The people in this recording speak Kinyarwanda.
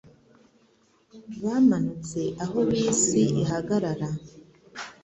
Bamanutse aho bisi ihagarara